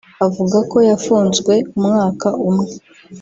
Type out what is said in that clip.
Avuga ko yafunzwe umwaka umwe